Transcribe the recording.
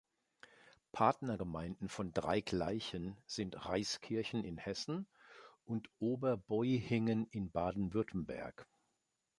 Partnergemeinden von Drei Gleichen sind Reiskirchen in Hessen und Oberboihingen in Baden-Württemberg.